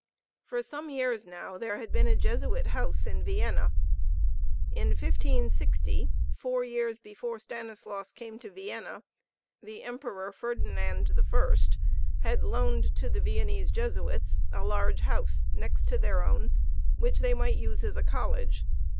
For some years now there had been a Jesuit house in Vienna. In i56o, four years before Stanislaus came to Vienna, the Emperor Ferdinand I had loaned to the Viennese Jesuits a large house next to their own, which they might use as a college.